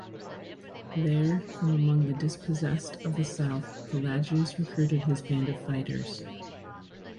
There, from among the dispossessed of the south, Pelagius recruited his band of fighters.